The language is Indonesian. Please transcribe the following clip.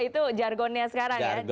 itu jargonnya sekarang ya